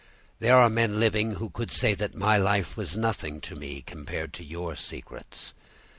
There are men living who could say that my life was nothing to me, compared to your secrets.